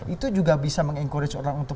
itu juga bisa mengencourage orang untuk